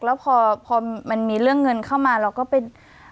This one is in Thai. แล้วพอมันมีเรื่องเงินเข้ามาเราก็เป็น